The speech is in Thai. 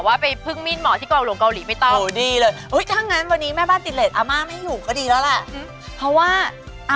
แต่วันนี้คนที่เป็นสาวหมวยไม่ต้องกลัวค่ะ